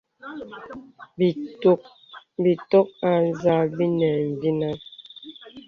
Bìtɔ̀k â zā bìnə mvinəŋ.